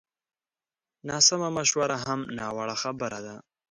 ناسمه مشوره هم ناوړه خبره ده